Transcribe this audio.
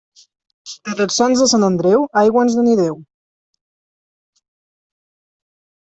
De Tots Sants a Sant Andreu, aigua ens doni Déu.